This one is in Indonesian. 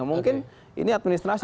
mungkin ini administrasi